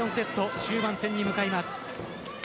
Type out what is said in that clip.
終盤戦に向かいます。